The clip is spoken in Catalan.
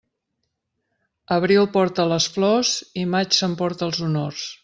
Abril porta les flors i maig s'emporta els honors.